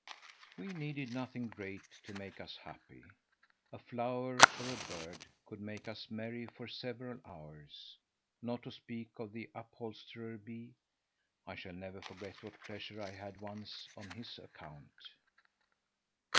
We needed nothing great to make us happy. A flower or a bird could make us merry for several hours, not to speak of the upholsterer bee. I shall never forget what pleasure I had once on his account.